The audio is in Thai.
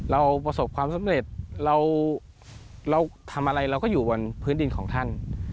เราประสบความสำเร็จเราทำอะไรเราก็อยู่บนพื้นดินของท่าน